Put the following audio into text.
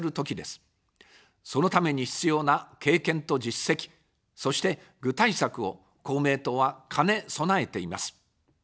そのために必要な経験と実績、そして具体策を公明党は兼ね備えています。